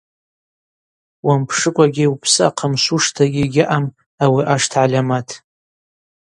Уампшыкӏвагьи упсы ахъамшвуштагьи йгьаъам ауи ашта гӏальамат.